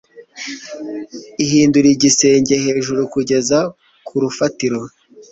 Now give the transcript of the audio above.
ihindura - igisenge hejuru kugeza ku rufatiro